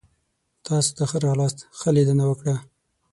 تاسو ښه راغلاست. ښه لیدنه وکړه!